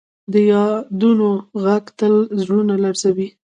د یادونو ږغ تل زړونه لړزوي.